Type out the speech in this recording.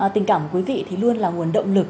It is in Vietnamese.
tình cảm của quý vị thì luôn là nguồn động lực